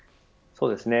そうですね。